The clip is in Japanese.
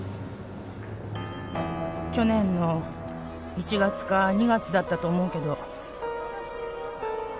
去年の１月か２月だったと思うけど。